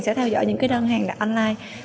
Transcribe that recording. sẽ theo dõi những đơn hàng đặt online